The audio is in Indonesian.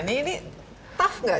ini tough gak